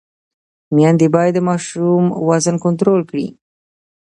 میندې باید د ماشوم وزن کنټرول کړي۔